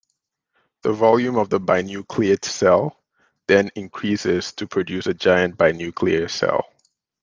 The volume of the binucleate cell then increases to produce a giant binuclear cell.